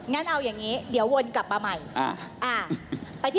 งั้นเอาอย่างนี้เดี๋ยววนกลับมาใหม่